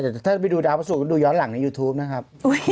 ใช่แต่ถ้าจะไปดูดาวสุกดูย้อนหลังในยูทูปนะครับ